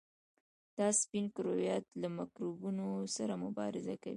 دا سپین کرویات له میکروبونو سره مبارزه کوي.